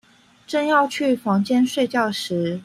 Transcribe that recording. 正要去房間睡覺時